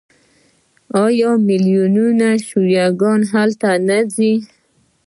آیا میلیونونه شیعه ګان هلته نه ځي؟